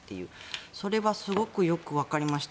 それはすごくよく分かりました。